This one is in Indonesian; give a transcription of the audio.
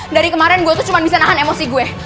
dari kemarin gue tuh cuma bisa nahan emosi gue